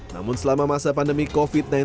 namun selama masa pandemi covid sembilan belas